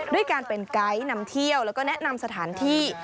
ด้วยการเป็นไกด์นำเที่ยวแล้วก็แนะนำสถานที่